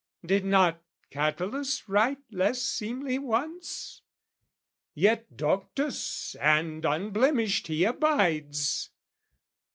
Did not Catullus write less seemly once? Yet doctus and unblemished he abides.